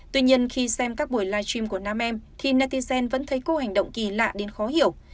tuy nhiên khi xem các buổi live stream của nam em thì natizen vẫn thấy cô hành động kỳ lạ đến khó hiểu